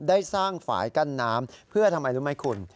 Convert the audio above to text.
ได้สร้างฝ่ายกั้นน้ำเพื่อทำไมรู้ไหมคุณ